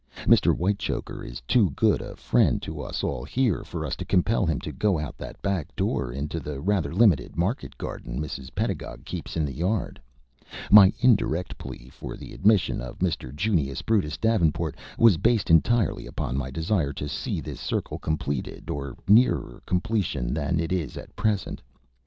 "Mr. Whitechoker is too good a friend to us all here for us to compel him to go out of that back door into the rather limited market garden Mrs. Pedagog keeps in the yard. My indirect plea for the admission of Mr. Junius Brutus Davenport was based entirely upon my desire to see this circle completed or nearer completion than it is at present.